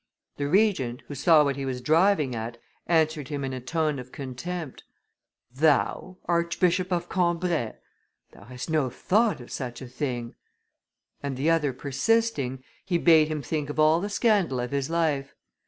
The Regent, who saw what he was driving at, answered him in a tone of contempt, 'Thou, Archbishop of Cambrai! thou hast no thought of such a thing?' And the other persisting, he bade him think of all the scandal of his life.